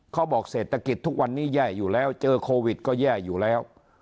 เขาบอกเศรษฐกิจทุกวันนี้แย่อยู่แล้วเจอโควิดก็แย่อยู่แล้ว